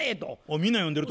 みんな読んでると。